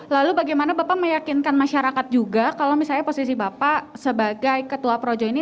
lalu bagaimana bapak meyakinkan masyarakat juga kalau misalnya posisi bapak sebagai ketua projo ini